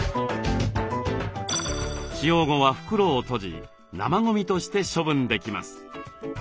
使用後は袋を閉じ生ゴミとして処分できます。